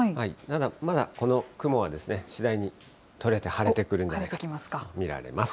まだこの雲は次第に取れて晴れてくると見られます。